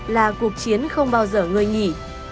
là cuộc chiến không bao giờ người nghỉ